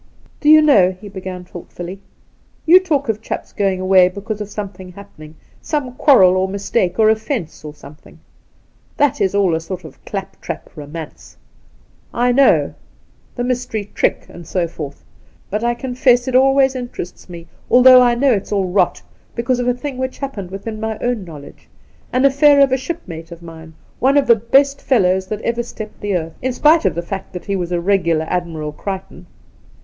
' Do you know,' he began thoughtfully, ' you talk of chaps going away because of something happening — some quarrel or mistake or oflfence or soniething. That is all a sort of clap trap romance, I know ^the mystery trick, and so forth ; but I confess it always interests me, although I know it's all rot, because of a thing which happened within my own knowledge — an aflfair of a shipmate of mine, one of the best fellows that ever stepped the earth, in spite of the fact that he was a regular Admirable Crichton.